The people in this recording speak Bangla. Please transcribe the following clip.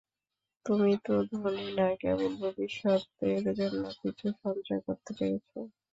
তুমি তো ধনী না, কেবল ভবিষ্যতের জন্য কিছু সঞ্চয় করতে পেরেছ।